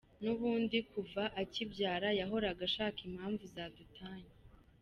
Nubundi kuva akibyara yahoraga ashaka impamvu zadutanya.